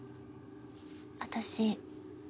私